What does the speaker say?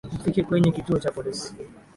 Mfike kwenye kituo cha polisi